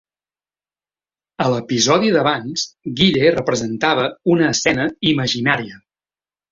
A l'episodi d'abans, Guille representava una escena imaginària.